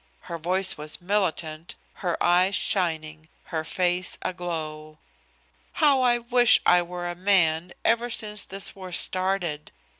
Her voice was militant, her eyes shining, her face aglow. "How I wish I were a man ever since this war started!